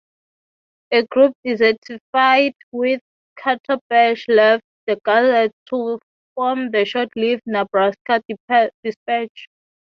A group dissatisfied with Kurtenbach left the "Gazette" to form the short-lived "Nebraska Dispatch".